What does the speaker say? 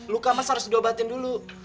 luka mas harus diobatin dulu